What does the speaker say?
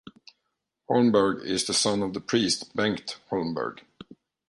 Holmberg is the son of the priest Bengt Holmberg.